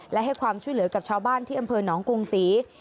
และให้ความช่วยเหลือกับชาวบ้านที่อำเภอหนองกรุงศรี